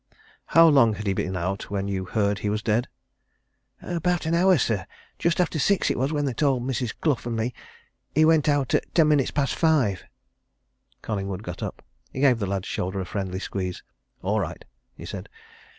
"How long had he been out when you heard he was dead?" "About an hour, sir just after six it was when they told Mrs. Clough and me. He went out at ten minutes past five." Collingwood got up. He gave the lad's shoulder a friendly squeeze. "All right!" he said.